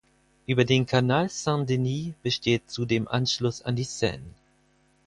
Über den Canal Saint-Denis besteht zudem Anschluss an die Seine.